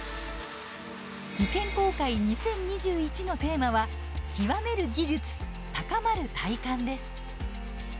「技研公開２０２１」のテーマは「究める技術、高まる体感」です。